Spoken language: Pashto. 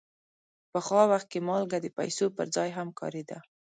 پخوا وخت کې مالګه د پیسو پر ځای هم کارېده.